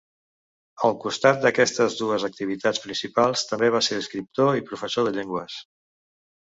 Al costat d’aquestes dues activitats principals, també va ser escriptor i professor de llengües.